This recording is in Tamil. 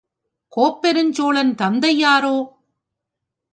கோப்பெருஞ் சோழன் தந்தை யாரோ?